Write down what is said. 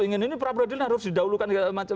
ingin ini peradilan harus didahulukan